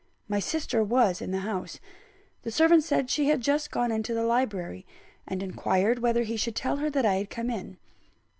My sister was in the house: the servant said she had just gone into the library, and inquired whether he should tell her that I had come in.